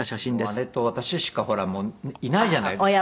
もう姉と私しかほらいないじゃないですか。